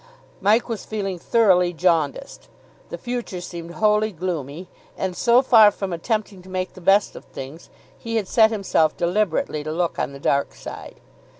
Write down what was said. Mike was feeling thoroughly jaundiced. The future seemed wholly gloomy. And, so far from attempting to make the best of things, he had set himself deliberately to look on the dark side.